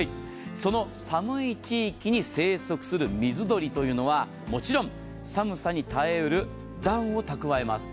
その寒い地域に生息する水鳥というのはもちろん、寒さに耐え得るダウンを蓄えます。